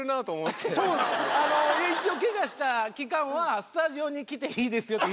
一応けがした期間はスタジオに来ていいですよって。